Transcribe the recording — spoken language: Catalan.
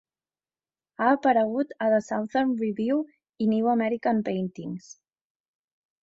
Ha aparegut a The Southern Review i New American Paintings.